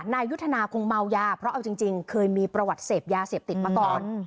นายยุทธนาคงเมายาเพราะเอาจริงเคยมีประวัติเสพยาเสพติดมาก่อน